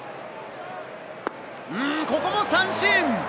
うん、ここも三振！